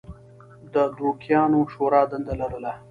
د دوکیانو شورا دنده لرله.